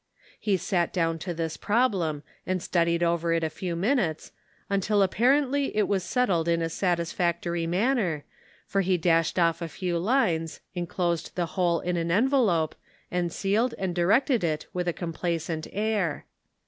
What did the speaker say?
" He sat down to this problem, and studied over it a few minutes, until apparently it was settled in a satisfactory manner, for he dashed off a few lines, enclosed the whole in an envelope, and sealed and directed it with a complacent air.